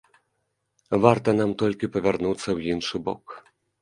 Варта нам толькі павярнуцца ў іншы бок.